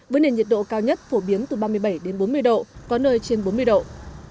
với nền nhiệt độ cao nhất phổ biến từ ba mươi bảy bốn mươi độ c có nơi trên bốn mươi độ c